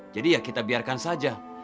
jadi ya kita biarkan saja